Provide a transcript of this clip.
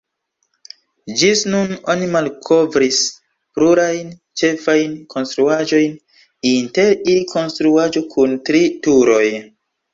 Ĝis nun oni malkovris plurajn ĉefajn konstruaĵojn, inter ili konstruaĵo kun tri turoj.